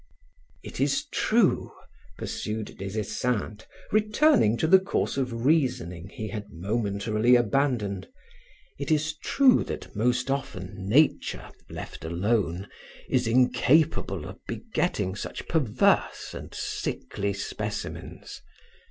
"It is true," pursued Des Esseintes, returning to the course of reasoning he had momentarily abandoned, "it is true that most often nature, left alone, is incapable of begetting such perverse and sickly specimens.